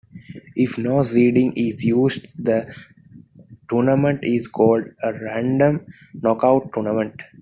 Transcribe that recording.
If no seeding is used, the tournament is called a random knockout tournament.